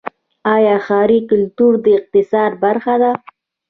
آیا ښاري کلتور د اقتصاد برخه ده؟